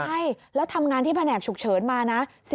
ใช่แล้วทำงานที่แผนกฉุกเฉินมานะ